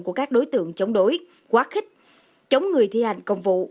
của các đối tượng chống đối quá khích chống người thi hành công vụ